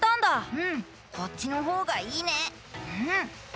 うん、こっちのほうがいいね。